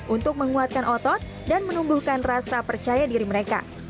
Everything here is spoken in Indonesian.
untuk menguatkan otot dan menumbuhkan rasa percaya diri mereka